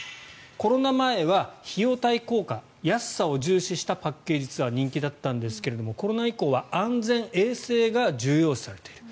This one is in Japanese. コロナ前は費用対効果安さを重視したパッケージツアーが人気だったんですがコロナ以降は安全、衛生が重要視されている。